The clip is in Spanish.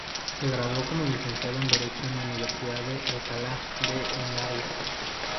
Se graduó como licenciado en Derecho en la Universidad de Alcalá de Henares.